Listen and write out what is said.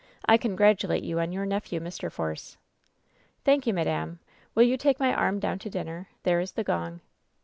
I congratulate you on your nephew, Mr. Force." "Thank you, madam. Will you tale my arm down to dinner ? There is the gong."